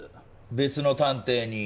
別の探偵に。